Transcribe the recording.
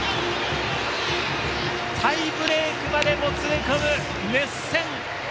タイブレークまでもつれ込む熱戦。